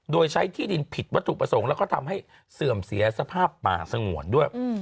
โดยใช้ที่ดินผิดวัตถุประสงค์แล้วก็ทำให้เสื่อมเสียสภาพป่าสงวนด้วย